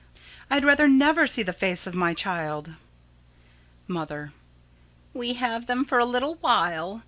I'd rather never see the face of my child. Mother: We have them for a little while.